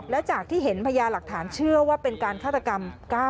และจากที่เห็นพญาหลักฐานเชื่อว่าเป็นการฆาตกรรม